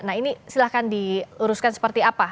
nah ini silahkan diuruskan seperti apa